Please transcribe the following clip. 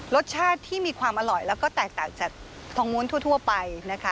รสชาติที่มีความอร่อยแล้วก็แตกต่างจากทองม้วนทั่วไปนะคะ